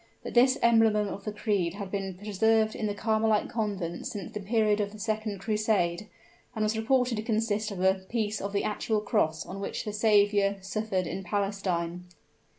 But this emblem of the creed had been preserved in the Carmelite Convent since the period of the Second Crusade, and was reported to consist of a piece of the actual cross on which the Saviour suffered in Palestine.